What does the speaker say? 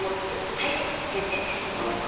はい先生。